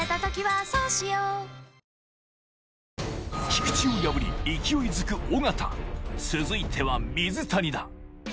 菊池を破り勢いづく尾形続いては水谷だ